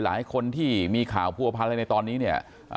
หลายคนที่มีข่าวผัวพลังในตอนนี้เนี่ยอ่า